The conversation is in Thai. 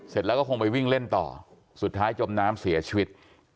เสร็จแล้วก็คงไปวิ่งเล่นต่อสุดท้ายจมน้ำเสียชีวิต